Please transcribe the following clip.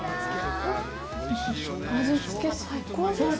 味付け、最高です。